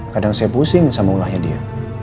kadang saya pusing sama ulahnya dia